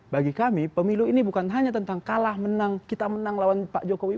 bagi kami pemilu ini bukan hanya tentang kalah menang kita menang lawan pak jokowi